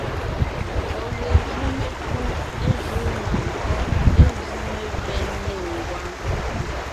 Ɔ̀ ge jú mekú, é júu mânkɔ́ʼ, é jú mevɛ́ nê ngwáŋ.